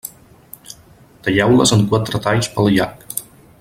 Talleu-les en quatre talls pel llarg.